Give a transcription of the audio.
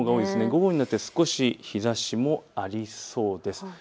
午後になって少し日ざしもありそうです。